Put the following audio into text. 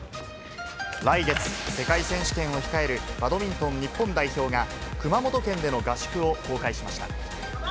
来月、世界選手権を控えるバドミントン日本代表が、熊本県での合宿を公開しました。